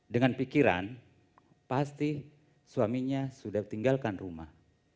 dengan pikiran pasti suaminya sudah tinggalkan rumah